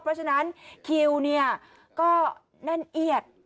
เพราะฉะนั้นคิวเนี่ยก็แน่นเอียด